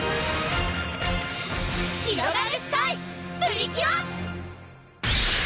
ひろがるスカイ！プリキュア！